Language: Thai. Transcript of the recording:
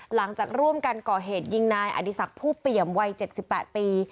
หลังจากร่วมกันก่อเหตุยิงนายอดีศักดิ์ผู้เปี่ยมวัย๗๘ปี